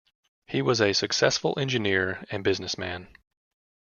He was a successful engineer and businessman.